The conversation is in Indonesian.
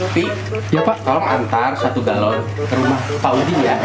v tolong antar satu galon ke rumah pauli ya